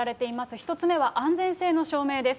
１つ目は安全性の証明です。